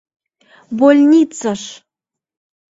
Больницыш!